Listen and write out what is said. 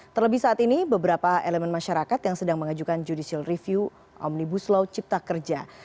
terlebih saat ini beberapa elemen masyarakat yang sedang mengajukan judicial review omnibus law cipta kerja